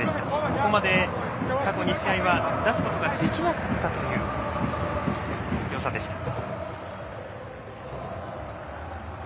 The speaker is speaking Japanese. ここまで過去２試合は出すことができなかったというよさでした。